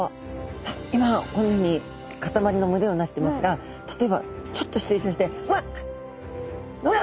今このように固まりの群れをなしてますが例えばちょっと失礼しましてわっ！